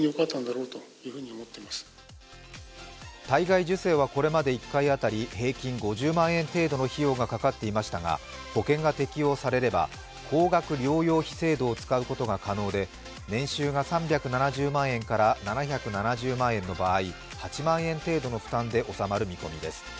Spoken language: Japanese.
体外受精はこれまで１回あたり平均５０万円程度の費用がかかっていましたが保険が適用されれば高額療養費制度を使うことが可能で年収が３７０万円から７７０万円の場合、８万円程度の負担で収まる見込みです。